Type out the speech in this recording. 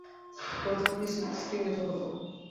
ক্রোধাগ্নি স্তিমিত হল।